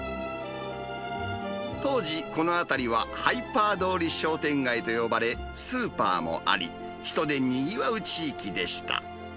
当時、この辺りはハイパーどおり商店街と呼ばれ、スーパーもあり、人でにぎわう地域でした。